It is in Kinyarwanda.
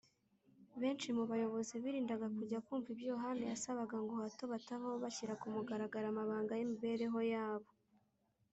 . Benshi mu bayobozi birindaga kujya kumva ibyo Yohana yasabaga ngo hato batavaho bashyira ku mugaragaro amabanga y’imibereho yabo